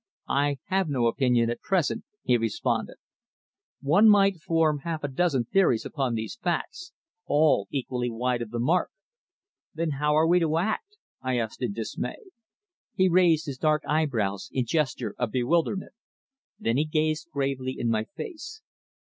"I have no opinion at present," he responded. "One might form half a dozen theories upon these facts, all equally wide of the mark." "Then how are we to act?" I asked in dismay. He raised his dark eyebrow's in gesture of bewilderment. Then he gazed gravely in my face.